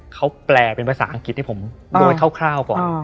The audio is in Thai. เขาแปลเป็นภาษาอังกฤษให้ผมโดยคร่าวก่อน